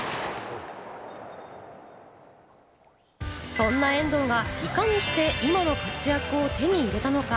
そんな遠藤が、いかにして今の活躍を手に入れたのか？